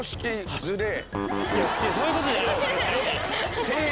そういうことじゃないんです。